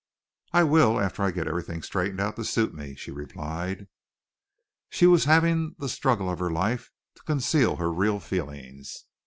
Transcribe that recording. "I will after I get everything straightened out to suit me," she replied. She was having the struggle of her life to conceal her real feelings.